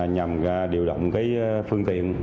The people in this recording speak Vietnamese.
nhằm điều động phương tiện